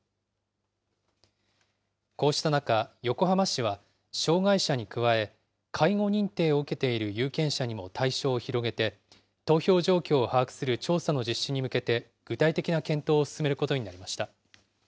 こうした中、横浜市は障害者に加え、介護認定を受けている有権者にも対象を広げて、投票状況を把握する調査の実施に向けて具体的な検討を進めることになりました。